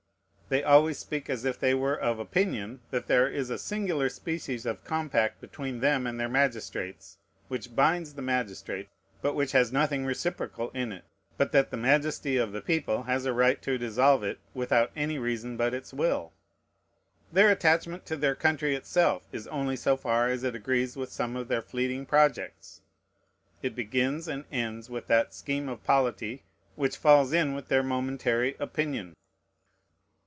They always speak as if they were of opinion that there is a singular species of compact between them and their magistrates, which binds the magistrate, but which has nothing reciprocal in it, but that the majesty of the people has a right to dissolve it without any reason but its will. Their attachment to their country itself is only so far as it agrees with some of their fleeting projects: it begins and ends with that scheme of polity which falls in with their momentary opinion.